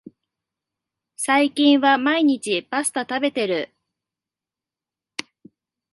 最近は毎日パスタ食べてる